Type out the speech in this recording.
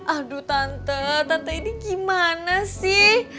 aduh tante tante ini gimana sih